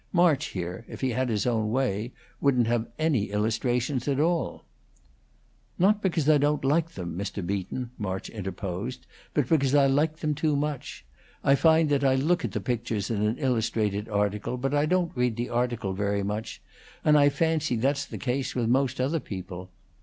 March, here, if he had his own way, wouldn't have any illustrations at all." "Not because I don't like them, Mr. Beacon," March interposed, "but because I like them too much. I find that I look at the pictures in an illustrated article, but I don't read the article very much, and I fancy that's the case with most other people.